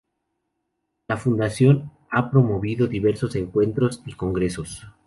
La Fundación ha promovido diversos encuentros y congresos.